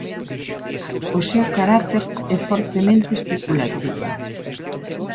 O seu carácter é fortemente especulativo.